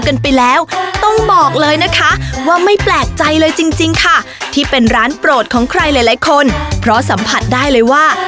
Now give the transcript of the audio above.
กันไปแล้วต้องบอกเลยนะคะว่าไม่แปลกใจเลยจริงจริงค่ะที่เป็นร้านโปรดของใครหลายคนเพราะสัมผัสได้เลยว่า